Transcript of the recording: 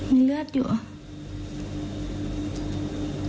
มีเลือดอยู่